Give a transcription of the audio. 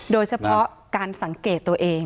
โดยเฉพาะการสังเกตตัวเอง